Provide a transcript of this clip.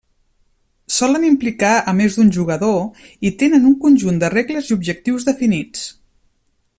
Solen implicar a més d'un jugador i tenen un conjunt de regles i objectius definits.